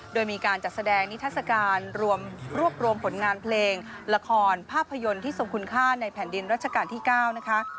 โดยมีการจัดแสดงนิทัศกาลรวมรวบรวมผลงานเพลงละครภาพยนตร์ที่ทรงคุณค่าในแผ่นดินรัชกาลที่๙นะคะ